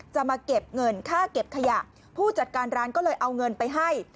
จะมาเก็บเงินค่าเก็บขยะผู้จัดการร้านก็เลยเอาเงินไปให้